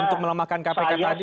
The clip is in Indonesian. untuk melemahkan kpk tadi